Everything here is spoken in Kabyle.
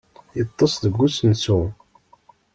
Yeṭṭes deg usensu.